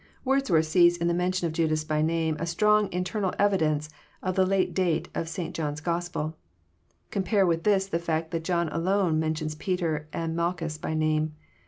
Wordsworth sees in the mention of Judas by name a strong internal evidence of the late date of St. John's GospeL Com pare with this the fact that John alone mentions Peter and Mal chus by name.